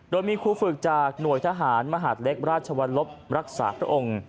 โดยมีครูฝึกจากหน่วยทหารมหาดเล็กราชวรรลบรักษาพระองค์